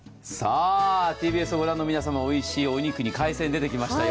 ＴＢＳを御覧の皆様、おいしいお肉に海鮮出てきましたよ。